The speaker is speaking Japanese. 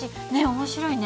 面白いね。